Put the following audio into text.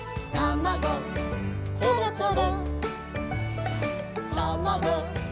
「たまごころころ」